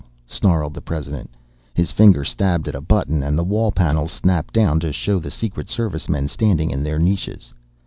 snarled the President. His finger stabbed at a button and the wall panels snapped down to show the Secret Servicemen standing in their niches.